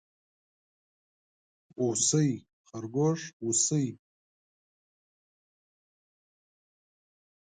خرگوش 🐰